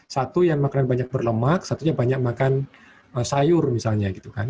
satu yang makan banyak berlemak satunya banyak makan sayur misalnya